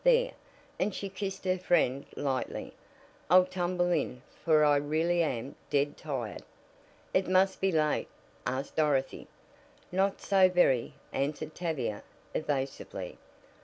There," and she kissed her friend lightly, "I'll tumble in, for I really am dead tired." "It must be late?" asked Dorothy. "Not so very," answered Tavia evasively.